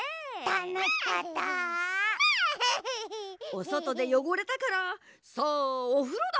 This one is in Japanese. おそとでよごれたからさあおふろだ！